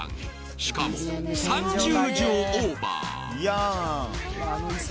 しかも、３０畳オーバー。